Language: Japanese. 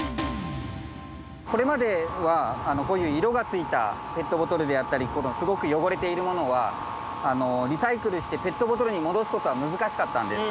これまではこういう色がついたペットボトルであったりすごく汚れているものはリサイクルしてペットボトルに戻すことは難しかったんです。